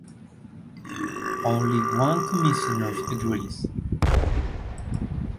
Only one commissioner agrees.